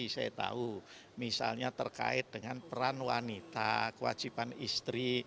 saya tahu misalnya terkait dengan peran wanita kewajiban istri